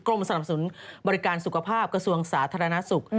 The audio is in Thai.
กรมสนับสนุนบริการสุขภาพกระทรวงศาสตร์ธะละนะสุข